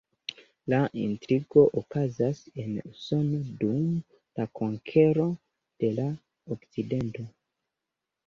La intrigo okazas en Usono dum la konkero de la okcidento.